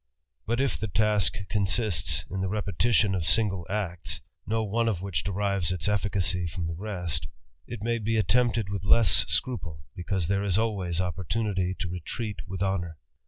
But if the task consists in the repetition of single acts, one of which derives its efficacy from the rest, it may attempted with less scruple, because there is always opp tunity to retreat with honour.